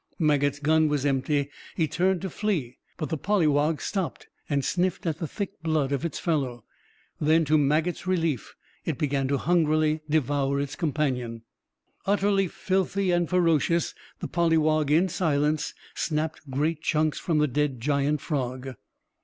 Maget's gun was empty; he turned so flee, but the polywog stopped and sniffed at the thick blood of its fellow. Then, to Maget's relief, it began to hungrily devour its companion. Utterly filthy, and ferocious, the polywog in silence snapped great chunks from the dead giant frog.